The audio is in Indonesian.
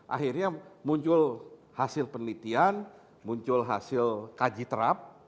akhirnya muncul hasil penelitian muncul hasil kaji terap